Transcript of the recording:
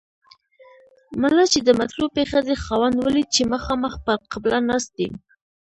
ملا چې د مطلوبې ښځې خاوند ولید چې مخامخ پر قبله ناست دی.